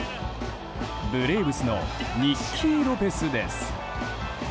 ブレーブスのニッキー・ロペスです。